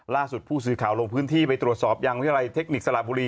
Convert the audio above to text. ล่าสุดผู้สื่อข่าวลงพื้นที่ไปตรวจสอบยังวิทยาลัยเทคนิคสระบุรี